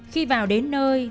khi vào đến nơi